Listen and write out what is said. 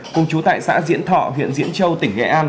cùng chú tại xã diễn thọ huyện diễn trịnh